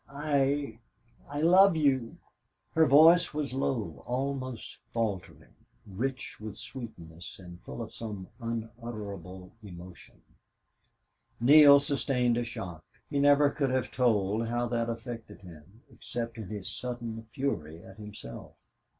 "I I love you." Her voice was low, almost faltering, rich with sweetness, and full of some unutterable emotion. Neale sustained a shock. He never could have told how that affected him, except in his sudden fury at himself.